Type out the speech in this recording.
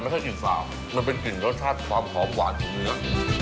ให้กลิ่นสาบมันเป็นกลิ่นรสชาติความหอมหวานของเนื้อ